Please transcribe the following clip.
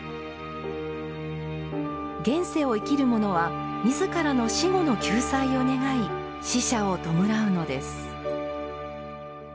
現世を生きる者は自らの死後の救済を願い死者を弔うのです。